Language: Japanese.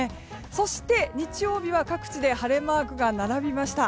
そして、日曜日は各地で晴れマークが並びました。